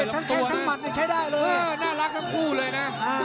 ติ้งขวาจิ้นขวาจิ้นขวาจิ้นขวา